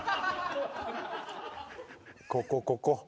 ここここ。